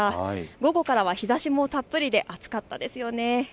午後からは日ざしもたっぷりで暑かったですよね。